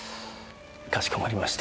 かしこまりました。